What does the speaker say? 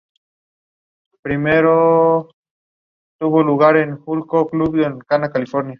Una Real Orden prohibió el marcado de los esclavos negros.